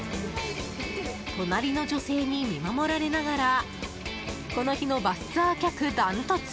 隣の女性に見守られながらこの日のバスツアー客、ダントツ。